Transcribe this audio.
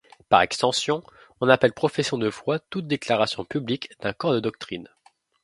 Par extension, on appelle profession de foi toute déclaration publique d'un corps de doctrines.